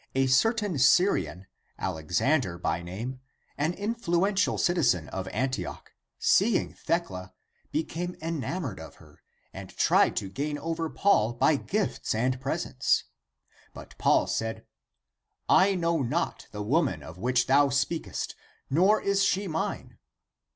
ACTS OF PAUL 2$ certain Syrian, Alexander by name, an influential citizen of Antioch, seeing Thecla, became enam oured of her, and tried to gain over Paul by gifts and presents. But Paul said, " I know not the woman of which thou speakest, nor is she mine."